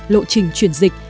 lộ trình truyền dịch